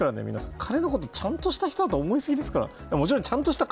彼のことをちゃんとした人だと思いすぎです。